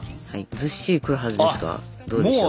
ずっしりくるはずですがどうでしょう。